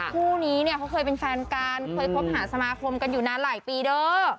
คู่นี้เนี่ยเขาเคยเป็นแฟนกันเคยคบหาสมาคมกันอยู่นานหลายปีเด้อ